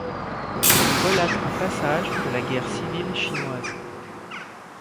Il relate un passage de la guerre civile chinoise.